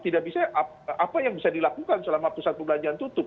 tidak bisa apa yang bisa dilakukan selama pusat perbelanjaan tutup